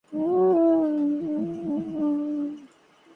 মফস্বলের ঐ শহরের সাথে কোনো রকম সম্পর্ক রইল না।